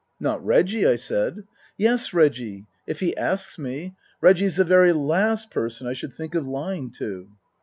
" Not Reggie," I said. " Yes, Reggie. If he asks me. Reggie's the very last person I should think of lying to."